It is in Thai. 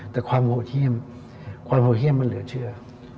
แต่ความโหดเยี่ยมความโหดเยี่ยมมันเหลือเชื่อ